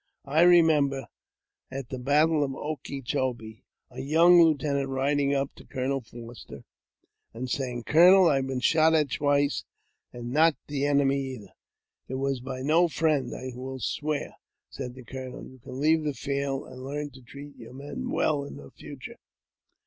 I remember, at the battle of 0 ke cho be, a young lieutenant riding up to Colonel Foster, and saying, " Colonel, I have been shot at twice, and not by the enemy either." " It was by no friend, I will swear," said the colonel ; "you can leave the field, and learn to treat your men well in future."